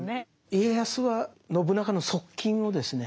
家康は信長の側近をですね